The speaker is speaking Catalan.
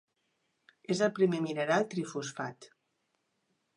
És el primer mineral trifosfat.